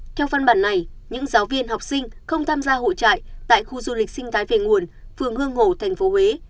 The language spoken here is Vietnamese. theo phân bản này những giáo viên học sinh không tham gia hội trại tại khu du lịch sinh thái về nguồn phường hương ngổ tp huế